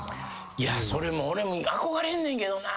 いやそれも俺憧れんねんけどな。